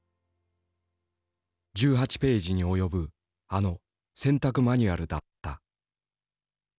１８ページに及ぶあの洗濯マニュアルだった。